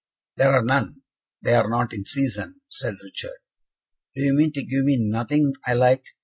"There are none they are not in season," said Richard. "Do you mean to give me nothing I like?